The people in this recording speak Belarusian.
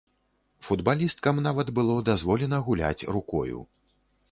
Футбалісткам нават было дазволена гуляць рукою.